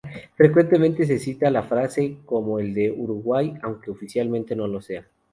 Frecuentemente se cita la frase como el de Uruguay, aunque oficialmente no lo sea.